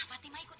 nah fatima ikutnya